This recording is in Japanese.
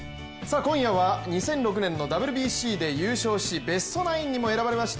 今夜は２００６年のＷＢＣで優勝しベストナインにも選ばれました